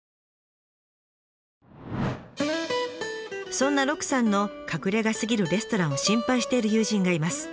そんな鹿さんの隠れ家すぎるレストランを心配している友人がいます。